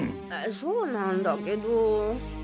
そうなんだけど。